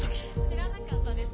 知らなかったです